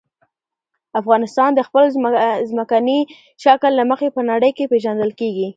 افغانستان د خپل ځمکني شکل له مخې په نړۍ کې پېژندل کېږي.